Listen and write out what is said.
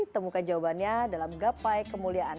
temukan jawabannya dalam gapai kemuliaan